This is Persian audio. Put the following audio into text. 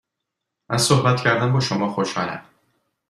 از صحبت کردن با شما خوشحالم.